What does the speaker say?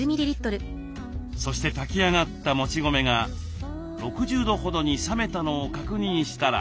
そして炊き上がったもち米が６０度ほどに冷めたのを確認したら。